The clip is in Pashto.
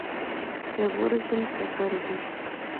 که غورځم که پرځم.